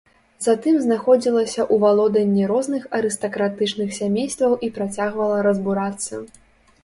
Затым знаходзілася ў валоданні розных арыстакратычных сямействаў і працягвала разбурацца.